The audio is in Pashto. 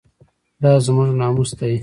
دا زموږ ناموس دی؟